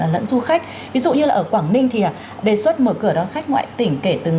lẫn du khách ví dụ như là ở quảng ninh thì đề xuất mở cửa đón khách ngoại tỉnh kể từ